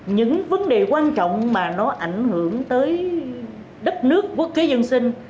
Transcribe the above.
những vấn đề quan trọng mà nó ảnh hưởng tới đất nước quốc kế dân sinh